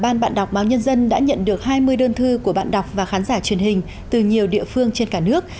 ban bạn đọc báo nhân dân đã nhận được hai mươi đơn thư của bạn đọc và khán giả truyền hình từ nhiều địa phương trên cả nước